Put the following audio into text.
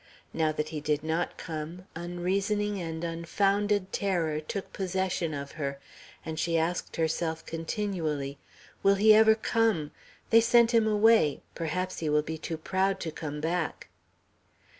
Now that he did not come, unreasoning and unfounded terror took possession of her, and she asked herself continually, "Will he ever come! They sent him away; perhaps he will be too proud to come back!"